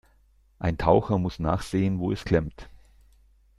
Ein Taucher muss nachsehen, wo es klemmt.